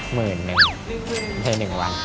หมื่นหนึ่งเธอ๑วัน